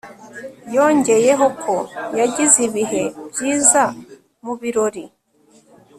Yongeyeho ko yagize ibihe byiza mu birori